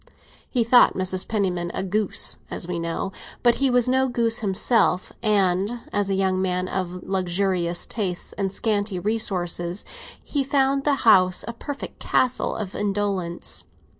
He thought Mrs. Penniman a goose, as we know; but he was no goose himself, and, as a young man of luxurious tastes and scanty resources, he found the house a perfect castle of indolence.